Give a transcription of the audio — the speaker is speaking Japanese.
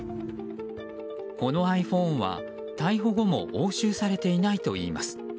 このｉＰｈｏｎｅは、逮捕後も押収されていないといいます。